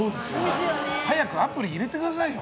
早くアプリ入れてくださいよ。